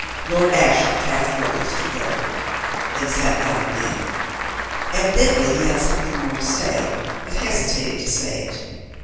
Lord Ashiel half rose to go, then sat down again. Evidently he had something more to say, but hesitated to say it.